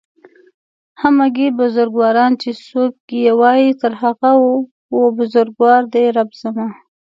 همگي بزرگواران چې څوک يې وايي تر همه و بزرگوار دئ رب زما